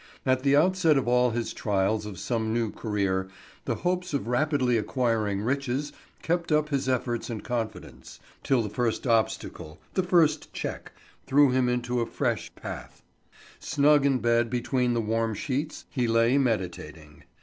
At the outset of all his trials of some new career the hopes of rapidly acquired riches kept up his efforts and confidence, till the first obstacle, the first check, threw him into a fresh path. Snug in bed between the warm sheets, he lay meditating.